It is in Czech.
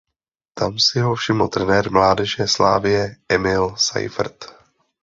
Tam si ho všiml trenér mládeže Slavie Emil Seifert.